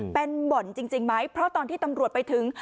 เป็นบ่อนจริงไหมเพราะตอนที่ตำรวจไปถึง